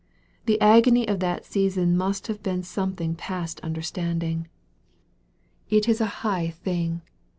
The agony of that season must have been something past understanding. It is a high thing.